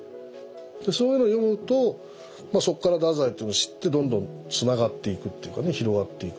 そういうのを読むとそっから太宰っていうのを知ってどんどんつながっていくっていうかね広がっていくっていう。